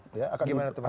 gimana tempatnya ini